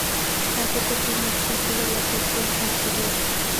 Tampoco tienen acción sobre la presión arterial.